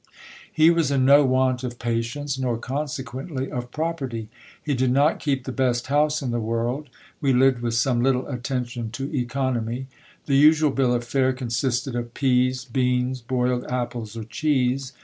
He was in no want of patients, nor consequently of property. He did not keep the best house in the world : we lived with some little attention to economy. The usual bill of fare consisted of peas, beans, boiled apples or cheese.